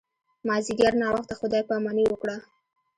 مازیګر ناوخته خدای پاماني وکړه.